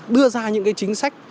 đưa ra những cái chính sách